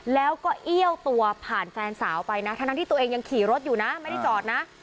แล้วก็เอี้ยวตัวผ่านแฟนสาวไปนะทั้งที่ตัวเองยังขี่รถอยู่นะไม่ได้จอดนะ